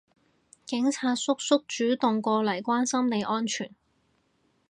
警察叔叔主動過嚟關心你安全